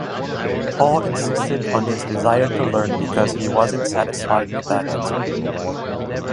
Paul insisted on his desire to learn because he wasn’t satisfied with that answer.